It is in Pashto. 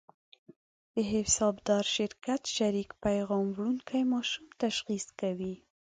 د حسابدار شرکت شریک پیغام وړونکي ماشوم تشخیص کوي.